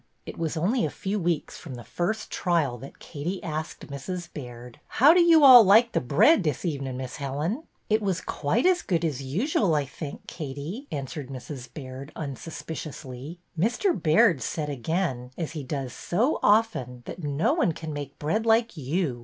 It was only a few weeks from the first trial that Katie asked Mrs. Baird: " How 'd you all like de bread dis ev'nen', Miss Helen? " It was quite as good as usual, I think, Katie," answered Mrs. Baird, unsuspiciously. '' Mr. Baird said again, as he does so often, that no one can make bread like you.